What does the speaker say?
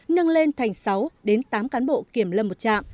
nâng lên thành sáu đến tám cán bộ kiểm lâm một trạm